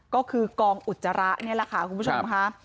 ก็คือกองอุจจาระนี่แหละค่ะคุณผู้ชมค่ะ